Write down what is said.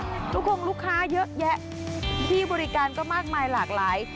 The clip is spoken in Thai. ทุกคนลูกค้าเยอะแยะที่บริการก็มากมายหลากหลาย